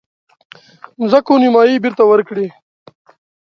مځکو نیمايي بیرته ورکړي.